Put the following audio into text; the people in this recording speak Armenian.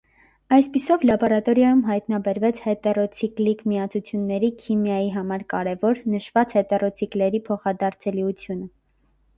Այսպիսով լաբորատորիայում հայտնաբերվեց հետերոցիկլիկ միացությունների քիմիայի համար կարևոր՝ նշված հետերոցիկլերի փոխադարձելիությունը։